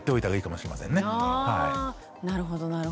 あなるほどなるほど。